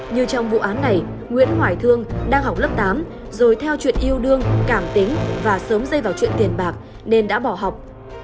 như trong vụ án này nguyễn hoài thương đang học lớp tám rồi theo chuyện yêu đương cảm tính và sớm dây vào chuyện tiền bạc nên đã bỏ học